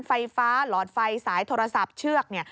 ไฟฟ้าหลอดไฟสายโทรศัพท์เชือกเนี่ย